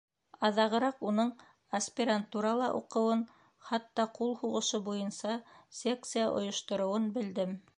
Аҙағыраҡ уның аспирантурала уҡыуын, хатта ҡул һуғышы буйынса секция ойоштороуын белдем.